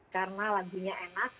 karena lagunya enak